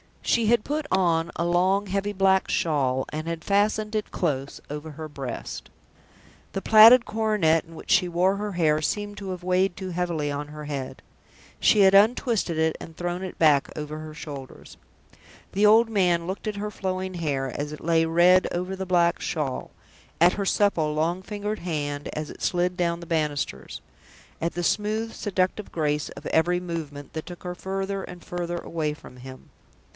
She had put on a long, heavy black shawl, and had fastened it close over her breast. The plaited coronet in which she wore her hair seemed to have weighed too heavily on her head. She had untwisted it, and thrown it back over her shoulders. The old man looked at her flowing hair, as it lay red over the black shawl at her supple, long fingered hand, as it slid down the banisters at the smooth, seductive grace of every movement that took her further and further away from him.